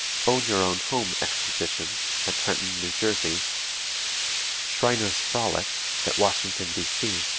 "Own Your Own Home Exposition," at Trenton, New Jersey. Shriner's Frolic, at Washington, D.